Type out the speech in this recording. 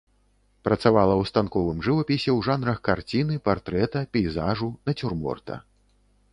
Працавала ў станковым жывапісе ў жанрах карціны, партрэта, пейзажу, нацюрморта.